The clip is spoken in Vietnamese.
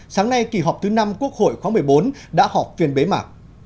sáng nay kỳ họp thứ năm quốc hội khóa một mươi bốn đã họp phiên bế mạc